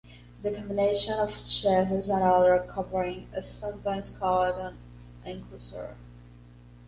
The combination of chassis and outer covering is sometimes called an enclosure.